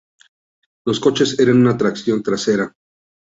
Los coches eran una tracción trasera.